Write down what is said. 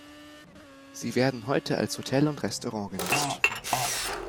Sie werden heute als Hotel und Restaurant genutzt.